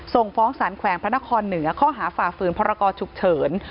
ส่งฟ้องสารแขวงพระนครเหนือข้อหาฝ่าฝืนพรกรฉุกเฉิน